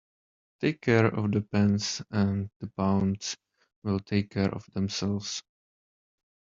Take care of the pence and the pounds will take care of themselves.